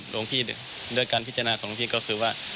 หลวงพี่ด้วยการพิจารณาของหลวงพี่ก็คือว่า